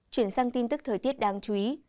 chuyển sang tin tức thời tiết đáng chú ý